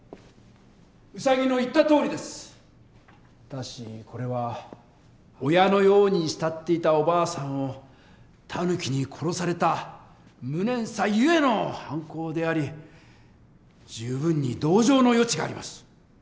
ただしこれは親のように慕っていたおばあさんをタヌキに殺された無念さゆえの犯行であり十分に同情の余地があります。